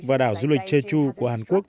và đảo du lịch jeju của hàn quốc